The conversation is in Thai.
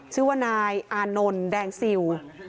ชื่อว่านายอานนท์แดงซิล